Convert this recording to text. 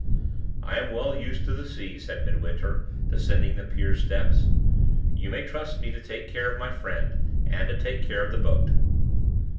"I am well used to the sea," said Midwinter, descending the pier steps. "You may trust me to take care of my friend, and to take care of the boat."